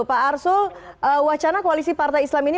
pak arsul wacana koalisi partai islam ini